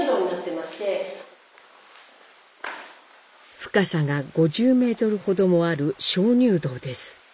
深さが５０メートルほどもある鍾乳洞です。